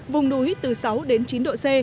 vùng núi từ sáu đến chín độ c